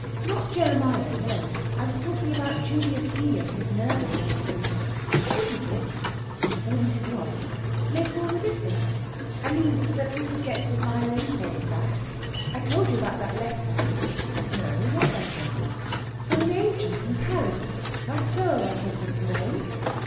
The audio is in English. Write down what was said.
"Not Jeremiah no. I was talking about Julius B. and his nervous system. Wouldn't it?" "Wouldn't it what?" "Make all the difference? I mean that he could get his violin playing back. I told you about that letter?" "No what letter?" "From an agent in Paris. Rateau, I think, was the name.